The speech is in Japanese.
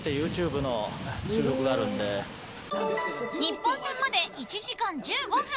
日本戦まで１時間１５分。